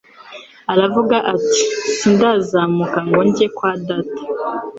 aravuga ati: «Sindazamuka ngo njye kwa Data.'»